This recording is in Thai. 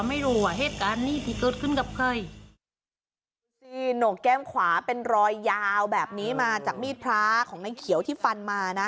หนูโก้แก้มขวาเป็นรอยยาวแบบนี้มาจากมีดพระของนักเขียวที่ฟันมานะ